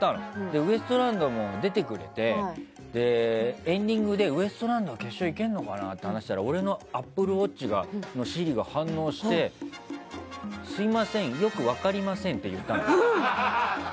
ウエストランドも出てくれて、エンディングでウエストランドが決勝に行けるのかなと話したら俺のアップルウォッチのｓｉｒｉが反応して、すみませんよく分かりませんって言ったの。